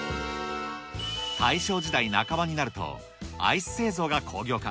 大正時代半ばになると、アイス製造が工業化。